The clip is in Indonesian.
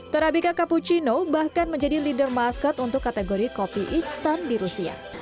terabika cappuccino bahkan menjadi leader market untuk kategori kopi instan di rusia